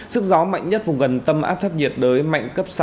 sức gió mạnh nhất vùng gần tâm áp thấp nhiệt đới mạnh cấp sáu